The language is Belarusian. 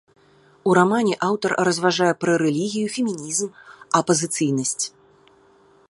У рамане аўтар разважае пра рэлігію, фемінізм, апазыцыйнасць.